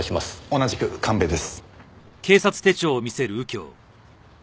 同じく神戸です。